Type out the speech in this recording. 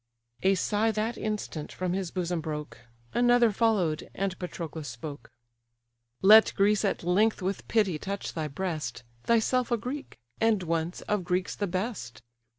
A sigh that instant from his bosom broke, Another follow'd, and Patroclus spoke: "Let Greece at length with pity touch thy breast, Thyself a Greek; and, once, of Greeks the best!